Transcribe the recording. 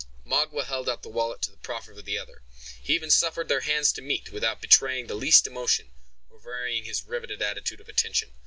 Magua held out the wallet to the proffer of the other. He even suffered their hands to meet, without betraying the least emotion, or varying his riveted attitude of attention.